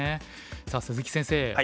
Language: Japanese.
さあ鈴木先生